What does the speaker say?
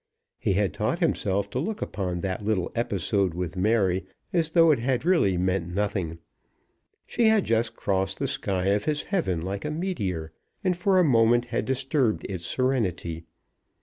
He had taught himself to look upon that little episode with Mary as though it had really meant nothing. She had just crossed the sky of his heaven like a meteor, and for a moment had disturbed its serenity.